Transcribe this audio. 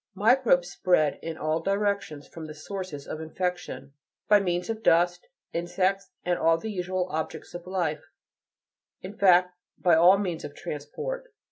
Microbes spread in all directions from the sources of infection, by means of dust, insects and all the usual objects of life, in fact by all the means of transport.